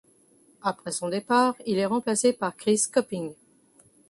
Après son départ, il est remplacé par Chris Copping.